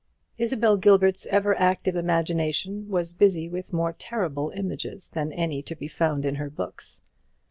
Isabel Gilbert's ever active imagination was busy with more terrible images than any to be found in her books.